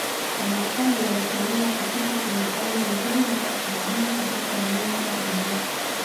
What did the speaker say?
Wamasai walitolewa kutoka kwenye ardhi nzuri ya kufugia katika nyanda za juu